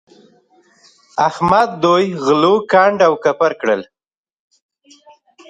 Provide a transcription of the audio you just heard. احمد دوی غلو کنډ او کپر کړل.